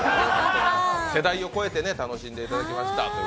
世代を超えて楽しんでいただきました。